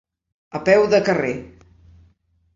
A peu de carrer.